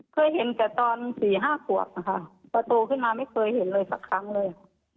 เคยเห็นแต่ตอน๔๕ขวบนะคะพอโตขึ้นมาไม่เคยเห็นเลยสักครั้งเลย